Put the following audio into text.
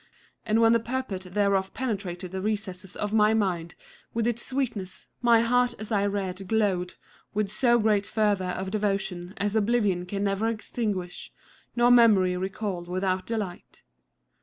And when the purport thereof penetrated the recesses of my mind with its sweet ness, my heart as I read glowed with so great fervour of devotion as oblivion can never extinguish, nor memory recall without delight.